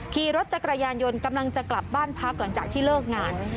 ขี่รถจักรยานยนต์กำลังจะกลับบ้านพักหลังจากที่เลิกงาน